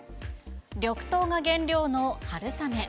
緑豆が原料の春雨。